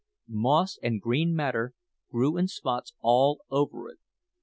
Moss and green matter grew in spots all over it.